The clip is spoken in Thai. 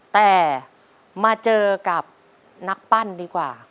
แต่มาเจอกับนักปั้นดีกว่า